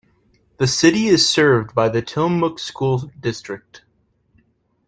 The city is served by the Tillamook School District.